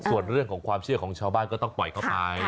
ส่วนเรื่องของความเชื่อของชาวบ้านก็ต้องปล่อยเข้าไป